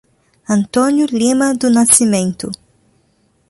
Antônio Lima do Nascimento